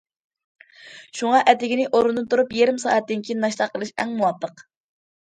شۇڭا، ئەتىگىنى ئورۇندىن تۇرۇپ يېرىم سائەتتىن كېيىن ناشتا قىلىش ئەڭ مۇۋاپىق.